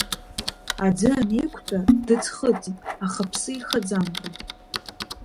Аӡы анеиқәтәа, дыӡхыҵит, аха ԥсы ихаӡамкәа.